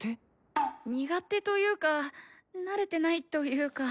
苦手というか慣れてないというか。